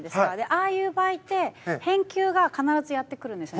ああいう場合って、返球がかなりやってくるんです。